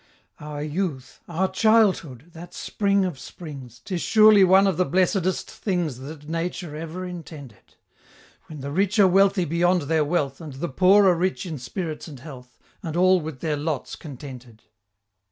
Our youth! our childhood! that spring of springs! 'Tis surely one of the blessedest things That nature ever intended! When the rich are wealthy beyond their wealth, And the poor are rich in spirits and health, And all with their lots contented!